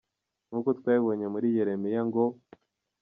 Nkuko twabibonye kuri Yeremiya ngo “….